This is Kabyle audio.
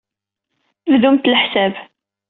Bdumt leḥsab.